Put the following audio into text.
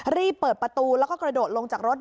รีบเปิดประตูแล้วก็กระโดดลงจากรถ